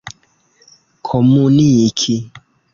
komuniki